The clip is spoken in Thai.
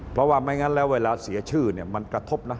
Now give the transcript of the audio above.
เพราะว่าไม่งั้นแล้วเวลาเสียชื่อเนี่ยมันกระทบนะ